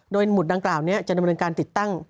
โดยหมุดดังกล่าวนี้จะดำเนินการติดตั้ง